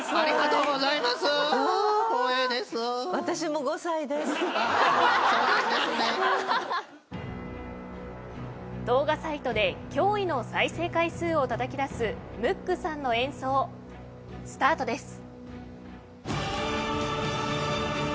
動画サイトで驚異の再生回数をたたき出すムックさんの演奏スタートです。